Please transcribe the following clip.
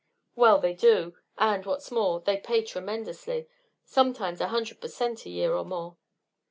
"Well, they do; and, what's more, they pay tremendously; sometimes a hundred per cent. a year or more."